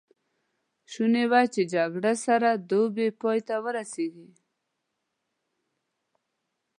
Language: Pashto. شوني وه چې جګړه سږ دوبی پای ته ورسېږي.